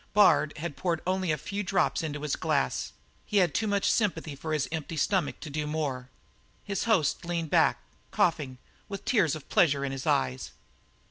Bard had poured only a few drops into his glass; he had too much sympathy for his empty stomach to do more. His host leaned back, coughing, with tears of pleasure in his eyes.